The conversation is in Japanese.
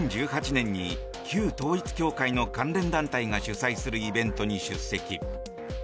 ２０１８年に旧統一教会の関連団体が主催するイベントに出席。